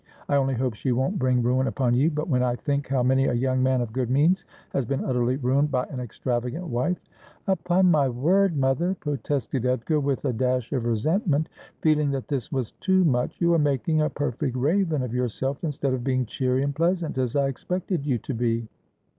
I only hope she won't bring ruin upon you ; but when I think how many a young man of good means has been utterly ruined by an extravagant wife '' Upon my word, mother,' protested Edgar, with a dash of resentment, feeling that this was too much, ' you are making a perfect raven of yourself, instead of being cheery and pleasant, as I expected you to be.